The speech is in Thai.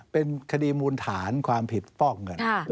เป็นคดีมูลฐานความผิดฟอกเงิน